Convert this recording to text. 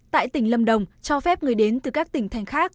tại tỉnh lâm đồng cho phép người đến từ các tỉnh thành khác